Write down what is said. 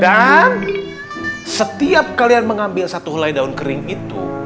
dan setiap kalian mengambil satu helai daun kering itu